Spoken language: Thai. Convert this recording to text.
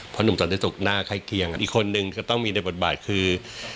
เพราะลุงสันทิศุกร์หน้าค่ายเคียงอีกคนนึงก็ต้องมีในบทบาทคือ